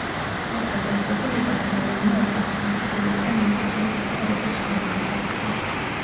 ეს გადაწყვეტილება რაიანმა ოჯახთან და შვილებთან მეტი დროის გატარების სურვილით ახსნა.